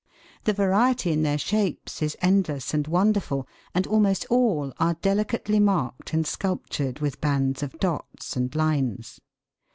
The variety in their shapes is endless and wonderful, and almost all are delicately marked and sculptured with bands of dots and lines.